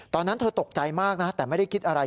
ตอนนั้นเธอตกใจมากนะแต่ไม่ได้คิดอะไร